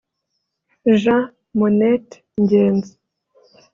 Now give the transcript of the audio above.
Jean Monnet Ngenzi